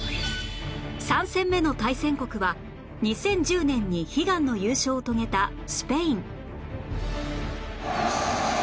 ３戦目の対戦国は２０１０年に悲願の優勝を遂げたスペイン